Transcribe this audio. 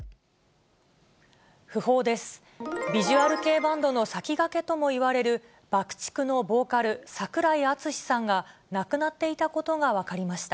ビジュアル系バンドの先がけともいわれるバクチクのボーカル、櫻井敦司さんが亡くなっていたことが分かりました。